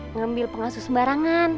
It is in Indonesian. ngambil pengasuh sembarangan